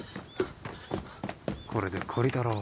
これで懲りたろ。